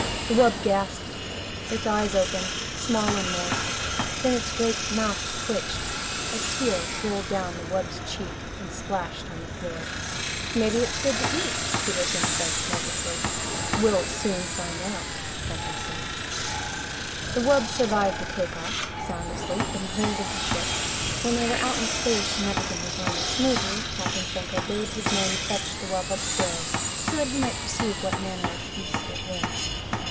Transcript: The wub gasped. Its eyes opened, small and moist. Then its great mouth twitched. A tear rolled down the wub's cheek and splashed on the floor. "Maybe it's good to eat," Peterson said nervously. "We'll soon find out," Franco said. The wub survived the take off, sound asleep in the hold of the ship. When they were out in space and everything was running smoothly, Captain Franco bade his men fetch the wub upstairs so that he might perceive what manner of beast it was.